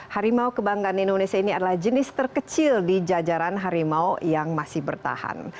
harimau kebanggaan indonesia ini adalah jenis terkecil di jajaran harimau yang masih bertahan